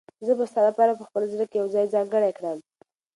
زه به ستا لپاره په خپل زړه کې یو ځای ځانګړی کړم.